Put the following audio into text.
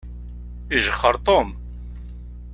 Ijexxeṛ Tom.